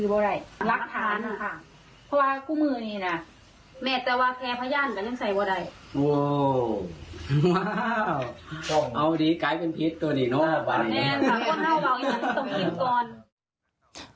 โว้วว้าวเอาดีกลายเป็นพิษตัวดีเนอะบ้างเนี่ย